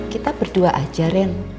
kita berdua aja ren